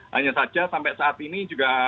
hanya saja sampai saat ini juga